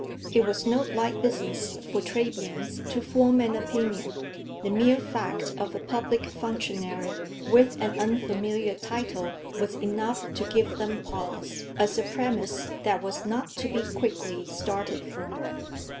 It was no light business for Trebians to form an opinion; the mere fact of a public functionary with an unfamiliar title was enough to give them pause, as a premise that was not to be quickly started from.